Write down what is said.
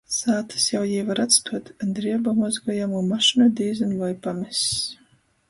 Sātys jau jī var atstuot, a drēbu mozgojamū mašynu dīzyn voi pamess.